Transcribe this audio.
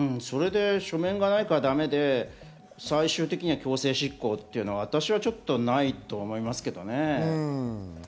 書面がないからダメで最終的には強制執行というのは、私はないと思いますけどね。